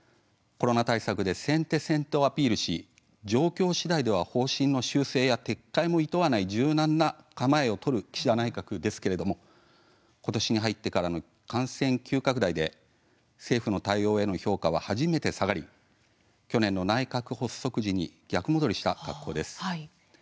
コロナ対策で先手先手をアピールし状況しだいでは方針の修正や撤回もいとわない柔軟な姿勢を取る岸田内閣ですけれどもことしに入ってからの感染急拡大で政府の対応への評価が初めて下がり去年の内閣発足時に逆戻りした格好です。